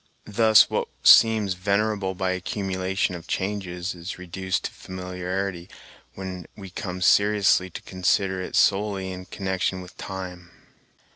Thus, what seems venerable by an accumulation of changes is reduced to familiarity when we come seriously to consider it solely in connection with time.